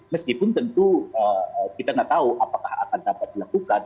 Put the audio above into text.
meskipun tentu kita tidak tahu apakah akan dapat dilakukan